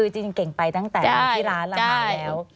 จริงเก่งไปตั้งแต่ที่ร้านละนาดแล้ว